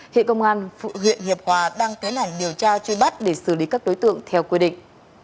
hiện công an huyện hiệp hòa đang tiến hành điều tra truy bắt để xử lý các đối tượng theo quy định